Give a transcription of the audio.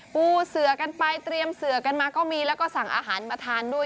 ปูเสือกันไปเตรียมเสือกันมาก็มีแล้วก็สั่งอาหารมาทานด้วย